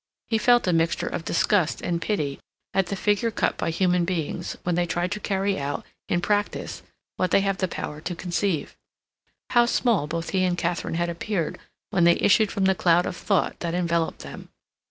He felt a mixture of disgust and pity at the figure cut by human beings when they try to carry out, in practice, what they have the power to conceive. How small both he and Katharine had appeared when they issued from the cloud of thought that enveloped them!